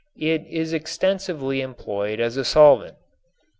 It is extensively employed as a solvent.